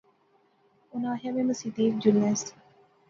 اُناں آخیا میں مسیتی اچ جلنس